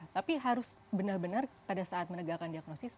tapi harus benar benar pada saat menegakkan diagnosis